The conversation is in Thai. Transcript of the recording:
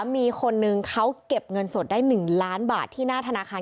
มีคนนึงเขาเก็บเงินสดได้๑ล้านบาทที่หน้าธนาคาร